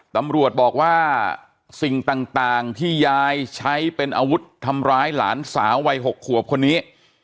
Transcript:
ตำรวจบอกว่าสิ่งต่างที่ยายใช้เป็นอาวุธทำร้ายหลานสาววัย๖ขวบคนนี้